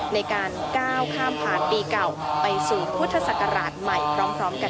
ในการก้าวข้ามผ่านปีเก่าไปสู่พุทธศักราชใหม่พร้อมกัน